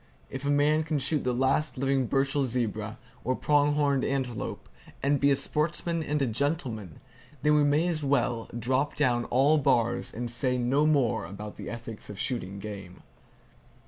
If a man can shoot the last living Burchell zebra, or prong horned antelope, and be a sportsman and a gentleman, then we may just as well drop down all bars, and say no more about the ethics of shooting game.